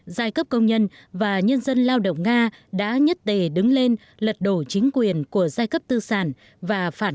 giai cấp công nhân và nhân dân lao động nga đã nhất tề đứng lên lật đổ chính quyền của giai cấp công nhân